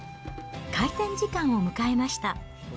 開店時間を迎えました。